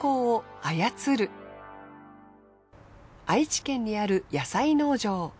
愛知県にある野菜農場。